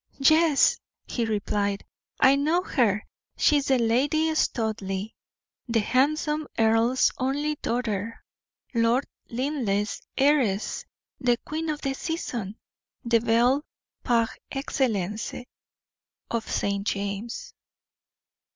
"Yes," he replied, "I know her. She is the Lady Studleigh, the handsome earl's only daughter, Lord Linleigh's heiress, the queen of the season, the belle, par excellence, of St. James'."